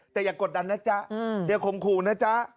แต่อย่ากดดันนะจ๊ะอย่าข่มขู่นะจ๊ะ